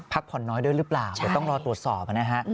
พักผ่อนน้อยด้วยหรือเปล่าเดี๋ยวต้องรอตรวจสอบนะฮะ